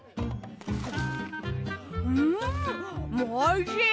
んんおいしい！